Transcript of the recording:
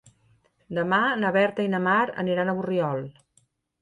Demà na Berta i na Mar aniran a Borriol.